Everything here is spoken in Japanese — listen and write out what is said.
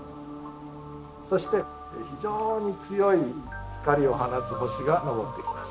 そして非常に強い光を放つ星が昇ってきます。